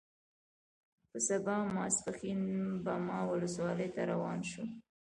په سبا ماسپښین باما ولسوالۍ ته روان شوو.